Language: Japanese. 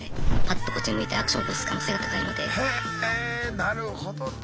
なるほどな。